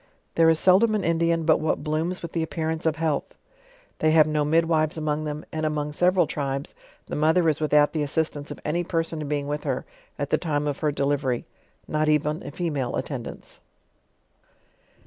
There is seldom an Indian but what blooms with the appearance of health. They have no midwives among them^ and among several tribes the mother is without the assis tance of any person being with her at the time of her delive ry, not even a femnle attendance.